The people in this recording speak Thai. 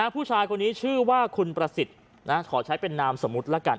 ผู้ชายคนนี้ชื่อว่าคุณประสิทธิ์ขอใช้เป็นนามสมมุติละกัน